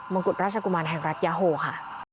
งกุฎราชกุมารแห่งรัฐยาโฮค่ะ